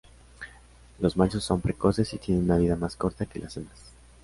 Los machos son precoces y tienen una vida más corta que las hembras.